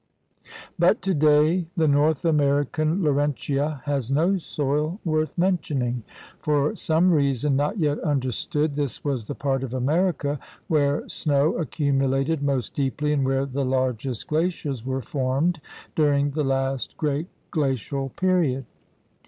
But today the North American Laurentia has no soil worth mentioning. For some reason not yet understood this was the part of America where snow accumulated most deeply and where the largest glaciers were formed during the last great glacial period.